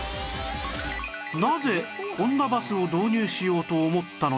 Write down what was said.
なぜこんなバスを導入しようと思ったのでしょうか？